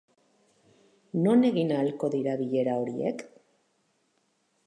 Non egin ahalko dira bilera horiek?